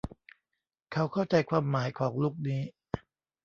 เขาเข้าใจความหมายของลุคนี้